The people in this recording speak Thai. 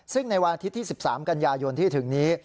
ซึ่งในวันอาทิตย์ที่๑๓กันยายนที่ถึงนี้